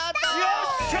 よっしゃ！